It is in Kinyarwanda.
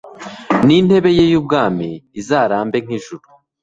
n’intebe ye y’ubwami izarambe nk’ijuru